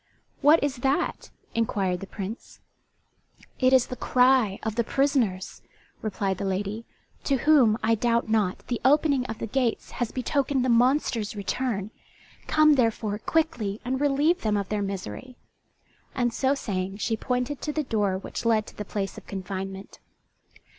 "What is that?" inquired the Prince. "It is the cry of the prisoners," replied the lady, "to whom, I doubt not, the opening of the gates has betokened the monster's return. Come, therefore, quickly and relieve them of their misery." And so saying she pointed to the door which led to the place of confinement.